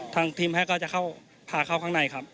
ทางทีมแฮกก็จะพาเข้าข้างในครับ